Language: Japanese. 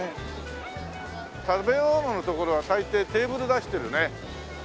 食べものの所は大抵テーブル出してるね。